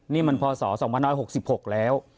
นี่มันพศ๒๖๖แล้ว